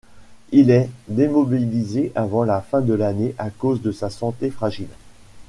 Il est démobilisé avant la fin de l’année à cause de sa santé fragile.